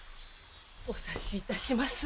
お察し致します。